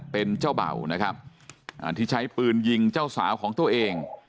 เป็นเจ้าเบ่านะครับที่ใช้ปืนยิงเจ้าสาวของตัวเอง